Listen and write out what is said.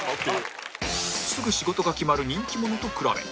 すぐ仕事が決まる人気者と比べ